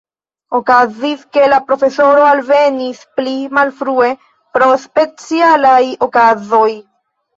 Okazis, ke la profesoro alvenis pli malfrue, pro specialaj okazoj.